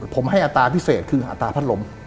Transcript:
ผมให้อัตราพิเศษคืออัตราพัดลม